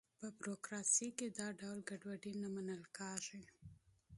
په بروکراسي کې دا ډول ګډوډي نه منل کېږي.